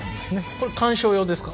これ観賞用ですか？